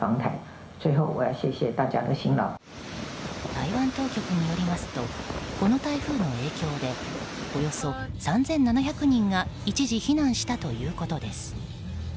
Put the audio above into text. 台湾当局によりますとこの台風の影響でおよそ３７００人が一時避難したということです。